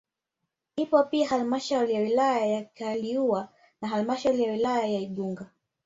Ipo pia halmashauri ya wilaya ya Kaliua na halmashauri ya wilaya ya Igunga